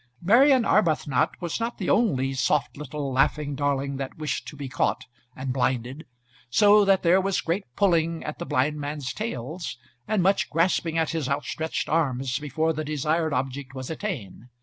Marian Arbuthnot was not the only soft little laughing darling that wished to be caught, and blinded, so that there was great pulling at the blindman's tails, and much grasping at his outstretched arms before the desired object was attained.